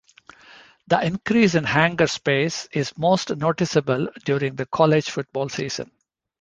The increase in hangar space is most noticeable during the College Football season.